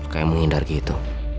kayak menghindar gitu